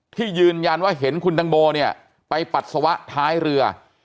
ที่ยืนยันว่าเห็นคุณตังโมเนี่ยไปปัสสาวะท้ายเรือ